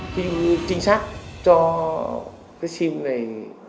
khi trinh sát cho cái sim này